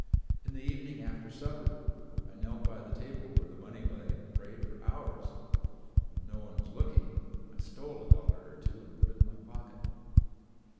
In the evening after supper I knelt by the table where the money lay and prayed for hours. When no one was looking I stole a dollar or two and put it in my pocket.